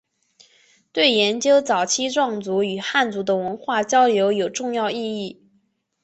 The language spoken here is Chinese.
对研究早期壮族与汉族的文化交流有重要意义。